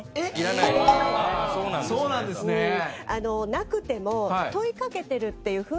なくても問いかけてるっていう雰囲気